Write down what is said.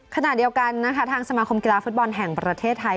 ขณะเดียวกันนะคะทางสมาคมกีฬาฟุตบอลแห่งประเทศไทย